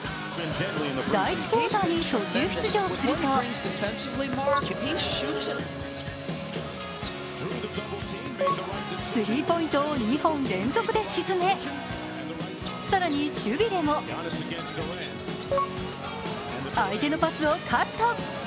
第１クオーターに途中出場すると、スリーポイントを２本連続で沈め、更に守備でも相手のパスをカット。